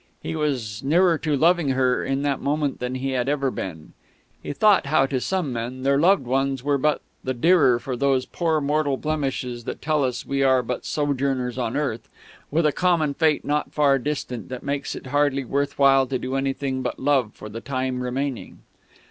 He was nearer to loving her in that moment than he had ever been. He thought how to some men their loved ones were but the dearer for those poor mortal blemishes that tell us we are but sojourners on earth, with a common fate not far distant that makes it hardly worth while to do anything but love for the time remaining.